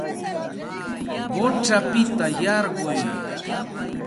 Quchapita yarquy